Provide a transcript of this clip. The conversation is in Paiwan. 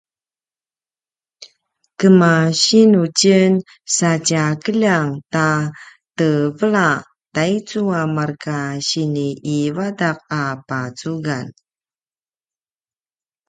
kemasinu tjen sa tja keljang ta tevela taicu a marka sini ivadaq a pacugan?